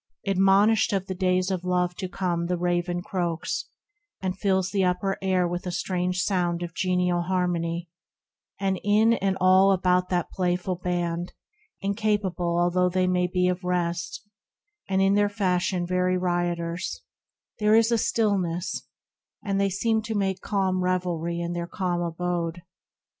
Admonished of the days of love to come The raven croaks, and fills the upper air With a strange sound of genial harmony ; THE RECLUSE 39 And in and all about that playful band, Incapable although they be of rest, And in their fashion very rioters, There is a stillness ; and they seem to make Calm revelry in that their calm abode.